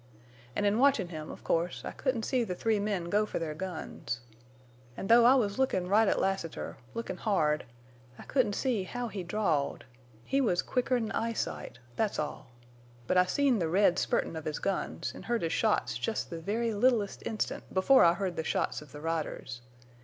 An' in watchin' him, of course, I couldn't see the three men go fer their guns. An' though I was lookin' right at Lassiter—lookin' hard—I couldn't see how he drawed. He was quicker'n eyesight—thet's all. But I seen the red spurtin' of his guns, en' heard his shots jest the very littlest instant before I heard the shots of the riders.